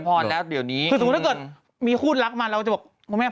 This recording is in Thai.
เออมันเกี่ยวข้องตรงไหน